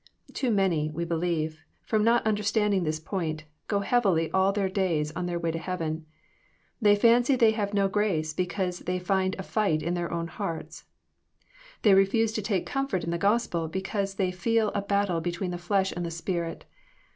Too many, we believe, from not understanding this point, go heavily all their day^s on their way to heaven. They fancy they have no grace, because they find a fight in theii own hearts. They refuse to take comfort in the Gospel, because they feel a battle between the flesh and the Spirit.